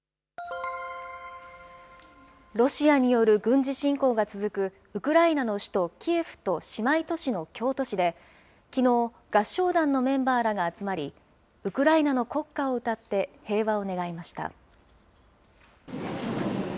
ロシアによる軍事侵攻が続く、ウクライナの首都キエフと姉妹都市の京都市で、きのう、合唱団のメンバーらが集まり、ウクライナの国歌を歌って平和を願いました。